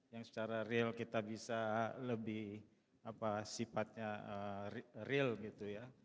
yang secara real kita bisa lebih sifatnya real gitu ya